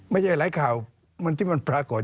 ไม่ใช่หลายข่าวที่มันปรากฏ